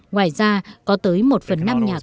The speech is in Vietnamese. ngoài ra có tới một phần năm nhà thầu